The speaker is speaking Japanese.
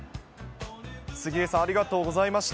杉江さん、ありがとうございました。